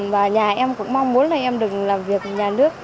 và nhà em cũng mong muốn là em được làm việc nhà nước